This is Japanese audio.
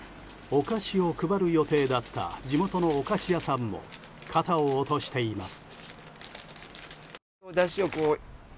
お菓子を配る予定だった地元のお菓子屋さんも肩を落としています。